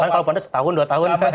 bahkan kalau pandai setahun dua tahun